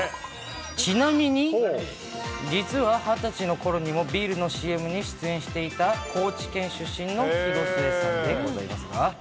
ちなみに、実は２０歳のころにも、ビールのＣＭに出演していた高知県出身の広末さんでございますが。